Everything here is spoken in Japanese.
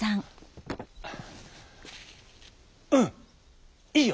「うんいいよ！